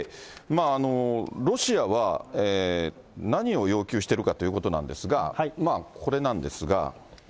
ロシアは何を要求してるかということなんですが、これなんですが。